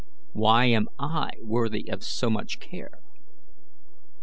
Why am I worthy of so much care?"